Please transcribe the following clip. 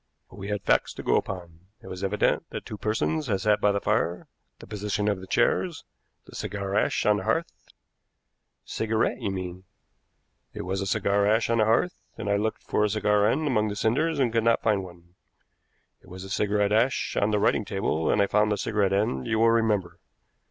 But we had facts to go upon. It was evident that two persons had sat by the fire, the position of the chairs, the cigar ash on the hearth " "Cigarette, you mean." "It was a cigar ash on the hearth, and I looked for a cigar end among the cinders and could not find one. It was cigarette ash on the writing table, and I found the cigarette end, you will remember.